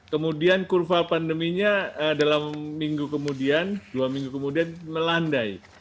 kemudian kurva pandeminya dalam minggu kemudian dua minggu kemudian melandai